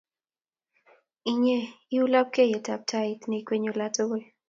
Inye ii u lapkeiyetap tait ne ikwenyi olatugul